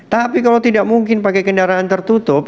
tapi kalau tidak mungkin pakai kendaraan tertutup